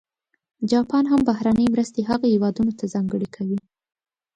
جاپان هم بهرنۍ مرستې هغه هېوادونه ته ځانګړې کوي.